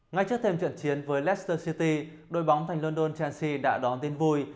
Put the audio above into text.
ngay trước thêm trận chiến với leicester city đôi bóng thành london chelsea đã đón tin vui